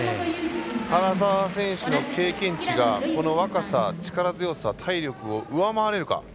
原沢選手の経験値がこの若さ、力強さ体力を上回れるか。